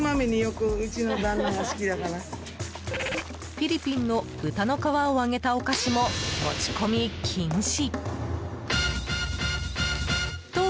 フィリピンの豚の皮を揚げたお菓子も持ち込み禁止！